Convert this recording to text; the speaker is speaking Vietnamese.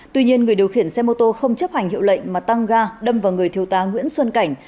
tuy nhiên người điều khiển xe mô tô không chấp hành hiệu lệnh mà tăng ga đâm vào người thiêu tá nguyễn xuân cảnh